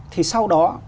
thì sau đó